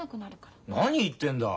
何言ってんだ。